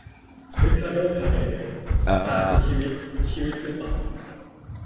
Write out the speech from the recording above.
ริคาร์โด คาร์เรเร - "ป่าคือชีวิต ชีวิตคือป่า"